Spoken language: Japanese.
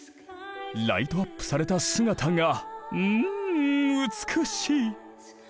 ライトアップされた姿がん美しい！